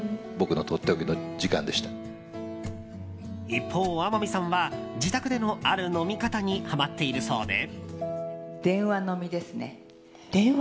一方、天海さんは自宅でのある飲み方にはまっているそうで。